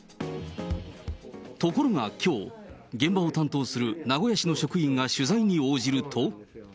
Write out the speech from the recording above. ところがきょう、現場を担当する名古屋市の職員が取材に応じると。